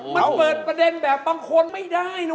มันเปิดประเด็นแบบบางคนไม่ได้นะ